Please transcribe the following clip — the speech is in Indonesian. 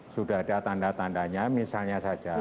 sudah ada tanda tandanya misalnya saja